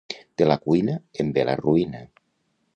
De la cuina en ve la ruïna.